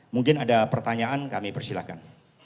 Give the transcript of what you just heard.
mungkin ada pertanyaan kami persilahkan